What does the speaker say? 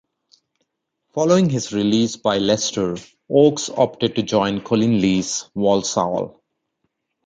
Following his release by Leicester, Oakes opted to join Colin Lee's Walsall.